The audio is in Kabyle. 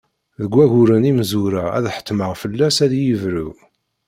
Deg wagguren imezwura ad ḥettmeɣ fell-as ad iyi-yebru.